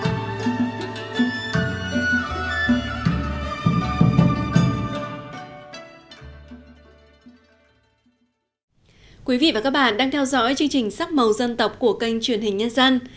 thưa quý vị và các bạn đang theo dõi chương trình sắc màu dân tộc của kênh truyền hình nhân dân